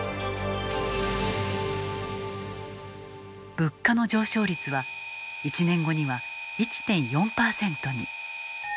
物価の上昇率は１年後には１．４％に。